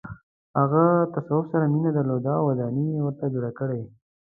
هغه تصوف سره مینه درلوده او ودانۍ یې ورته جوړې کړې.